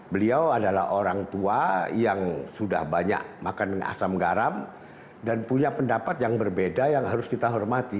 beliau adalah orang tua yang sudah banyak makan asam garam dan punya pendapat yang berbeda yang harus kita hormati